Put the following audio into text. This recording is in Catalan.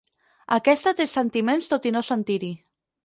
Aquesta té sentiments tot i no sentir-hi.